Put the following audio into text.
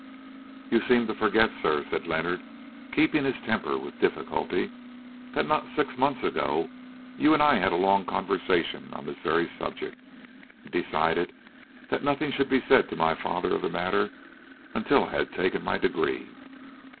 "You seem to forget, sir," said Leonard, keeping his temper with difficulty, "that not six months ago you and I had a long conversation on this very subject, and decided that nothing should be said to my father of the matter until I had taken my degree."